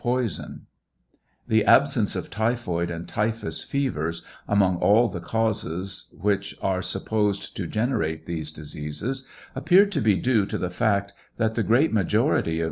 poison The absence of typhoid and typhus fevers, amongst all the causes which are sup posed to generate these diseases, appeared to be due to the fact that the great majonty of 736 TRIAL OF HENRY WIRZ.